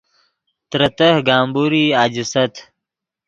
ترے تہہ گمبورئی اَجیست